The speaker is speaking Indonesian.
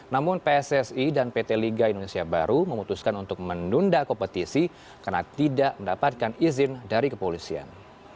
namun pssi dan pt liga indonesia baru memutuskan untuk menunda kompetisi karena tidak mendapatkan izin dari kepolisian